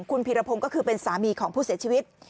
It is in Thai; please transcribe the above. คุณพีรพงศ์ก็คือเป็นสามีของผู้เสียชีวิต